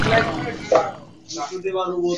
এটিই পশ্চিমবঙ্গ তথা পূর্ব ভারতে প্রথম খনিজ তেলের খনি।